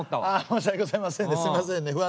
申し訳ございませんねすみませんね。